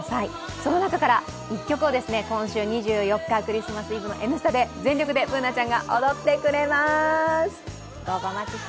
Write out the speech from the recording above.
その中から１曲を今週２４日、クリスマスイブの「Ｎスタ」で全力でＢｏｏｎａちゃんが踊ってくれます。